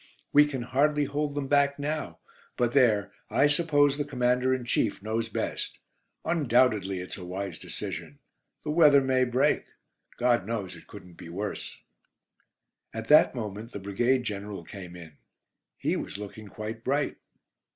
We can hardly hold them back now but there, I suppose the Commander in Chief knows best. Undoubtedly it's a wise decision. The weather may break God knows it couldn't be worse!" At that moment the Brigade General came in. He was looking quite bright.